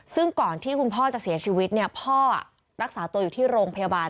ซึ่งก่อนที่คุณพ่อจะเสียชีวิตเนี่ยพ่อรักษาตัวอยู่ที่โรงพยาบาล